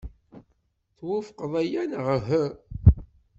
Twufqeḍ aya neɣ uhu?